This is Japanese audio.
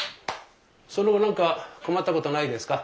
その後何か困ったことはないですか？